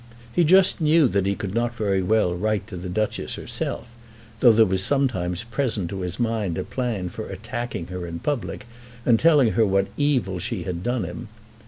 He just knew that he could not very well write to the Duchess herself, though there was sometimes present to his mind a plan for attacking her in public, and telling her what evil she had done him.